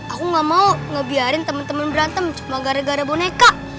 aku gak mau ngebiarin teman teman berantem cuma gara gara boneka